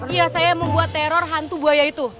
iya saya membuat teror hantu buaya itu